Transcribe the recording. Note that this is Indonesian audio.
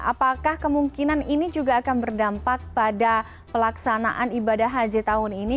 apakah kemungkinan ini juga akan berdampak pada pelaksanaan ibadah haji tahun ini